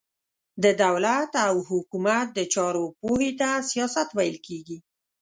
د دولت او حکومت د چارو پوهي ته سياست ويل کېږي.